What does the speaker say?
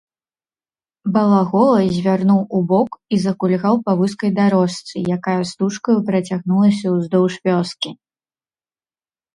Балагола звярнуў убок і закульгаў па вузкай дарожцы, якая стужкаю працягнулася ўздоўж вёскі.